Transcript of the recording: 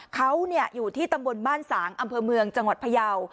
เขาอยู่ที่ตำบลบ้านสางอำเภอเมืองจังหวัดพยาว